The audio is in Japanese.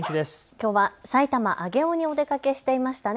きょうは埼玉、上尾にお出かけしていましたね。